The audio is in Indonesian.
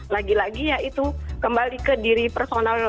lagi lagi ya itu kembali ke diri personal